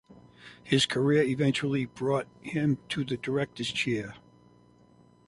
His career eventually brought him to director's chair.